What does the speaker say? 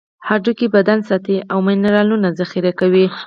هډوکي بدن ساتي او منرالونه ذخیره کوي.